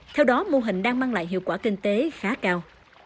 theo đó mô hình đang mang lại hiệu quả kinh tế khá cao